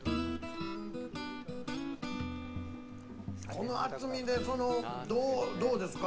この厚みでどうですか？